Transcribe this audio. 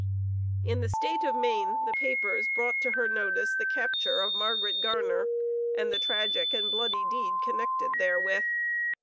In the State of Maine the papers brought to her notice the capture of Margaret Garner, and the tragic and bloody deed connected therewith.